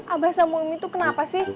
abah sama umi tuh kenapa sih